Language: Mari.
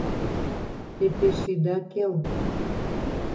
— Те пеш ида кел...